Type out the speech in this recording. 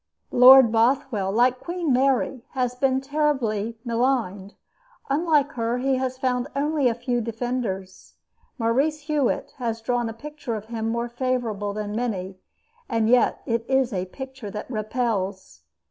Lord Bothwell, like Queen Mary, has been terribly maligned. Unlike her, he has found only a few defenders. Maurice Hewlett has drawn a picture of him more favorable than many, and yet it is a picture that repels.